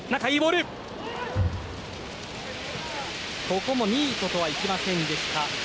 ここもミートとはいきませんでした。